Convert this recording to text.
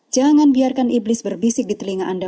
jangan biarkan iblis berbisik di telinga anda